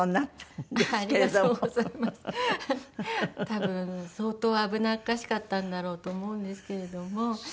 多分相当危なっかしかったんだろうと思うんですけれども。